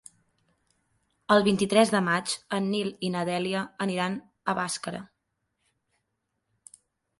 El vint-i-tres de maig en Nil i na Dèlia aniran a Bàscara.